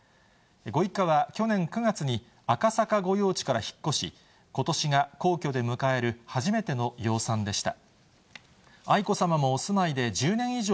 ご一家は去年９月に赤坂御用地から引っ越し、ことしが皇居で迎える初めての養蚕でした。